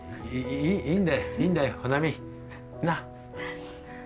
いいいんだよいいんだよ穂波な！